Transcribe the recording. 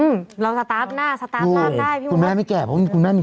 อืมเราสตาร์ฟหน้าสตาร์ฟหน้าได้พี่อุ๋คุณแม่ไม่แก่เพราะว่าคุณแม่มี